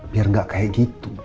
biar gak kayak gitu